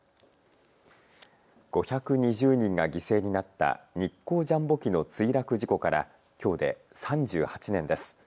５２０人が犠牲になった日航ジャンボ機の墜落事故からきょうで３８年です。